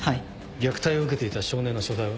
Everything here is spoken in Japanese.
虐待を受けていた少年の所在は？